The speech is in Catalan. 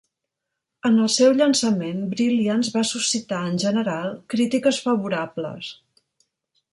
En el seu llançament, Brilliance va suscitar en general crítiques favorables.